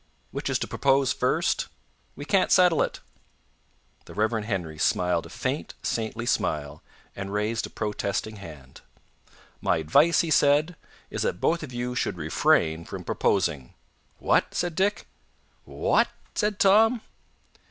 "Which is to propose first?" "We can't settle it." The Rev. Henry smiled a faint, saintly smile and raised a protesting hand. "My advice," he said, "is that both of you should refrain from proposing." "What?" said Dick. "Wha at?" said Tom.